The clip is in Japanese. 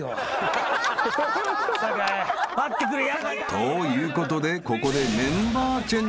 ［ということでここで］